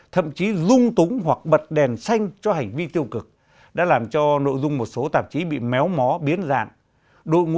thậm chí dung túng hoặc bật đèn xanh cho hành vi tiêu cực đã làm cho nội dung một số tạp chí bị méo mó biến dạng